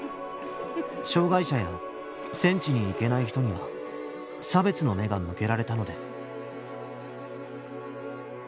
障害者や戦地に行けない人には差別の目が向けられたのです